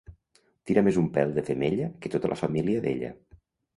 Tira més un pèl de femella que tota la família d'ella.